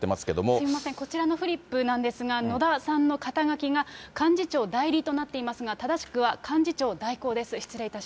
すみません、こちらのフリップなんですが、野田さんの肩書が幹事長代理となっていますが、正しくは幹事長代行です。